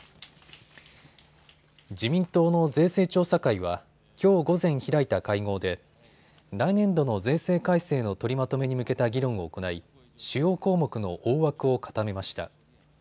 自民党の税制調査会はきょう午前、開いた会合で来年度の税制改正の取りまとめに向けた議論を行い主要項目の大枠を固めました。